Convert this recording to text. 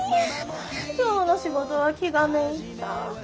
今日の仕事は気がめいった。